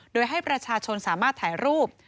โดยให้ประชาชนสามารถถ่ายรูป